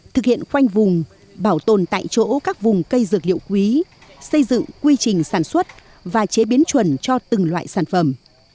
thực hiện khoanh vùng bảo tồn tại chỗ các vùng cây dược liệu quý xây dựng quy trình sản xuất và chế biến chuẩn cho từng loại sản phẩm